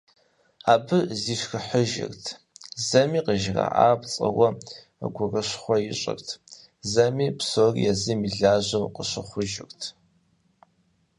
Абы зишхыхьыжырт, зэми къыжраӏар пцӏыуэ гурыщхъуэ ищӀырт, зэми псори езым и лажьэу къыщыхъужырт.